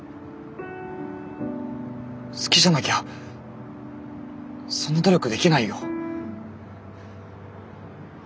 好きじゃなきゃそんな努力できないよ。